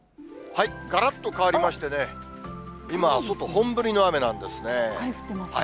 がらっと変わりましてね、すっかり降ってますね。